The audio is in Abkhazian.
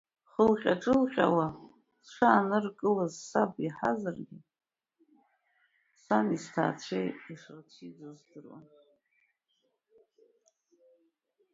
Хәылҟьа-ҿылҟьала сшааныркылаз саб иаҳазаргьы, сани сҭаацәеи ишырцәиӡоз здыруан.